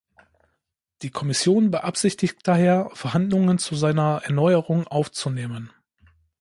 Die Kommission beabsichtigt daher, Verhandlungen zu seiner Erneuerung aufzunehmen.